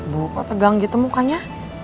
lupa tegang gitu mukanya